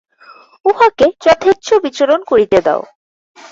উহাকে যথেচ্ছ বিচরণ করিতে দাও।